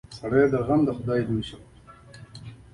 شهزاده جوان بخت د پلار د وکیل په حیث پر تخت کښېناوه.